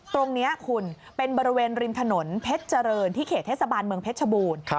ตรงนี้คุณเป็นบริเวณริมถนนเพชรเจริญที่เขตเทศบาลเมืองเพชรชบูรณ์